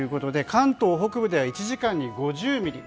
関東北部では１時間に５０ミリ。